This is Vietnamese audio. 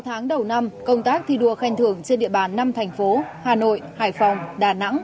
sáu tháng đầu năm công tác thi đua khen thưởng trên địa bàn năm thành phố hà nội hải phòng đà nẵng